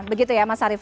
terima kasih mas arief